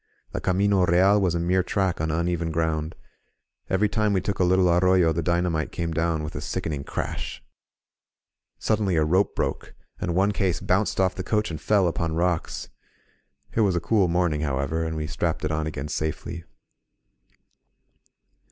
The Camino Real was a mere track on uneven ground; every time we took a little arroyo the dynamite came down with a sicken ing crash. Suddenly a rope broke, and one case bounced off the coach and fell upon rocks. It was a S9 INSURGENT MEXICO cool morning, however, and we strapped it on again safely.